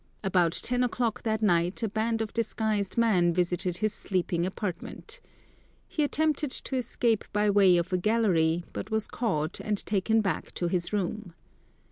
About ten o'clock that night a band of disguised men visited his sleeping apartment. He attempted to escape by way of a gallery, but was caught and taken back to his room.